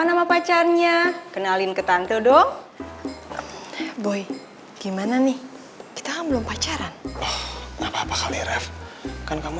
nama pacarnya kenalin ke tante dong boy gimana nih kita kan belum pacaran enggak apa apa kali rev kan kamu